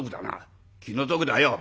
「気の毒だよ！